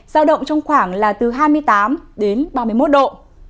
giao động trong khoảng là từ hai mươi tám đến ba mươi một độ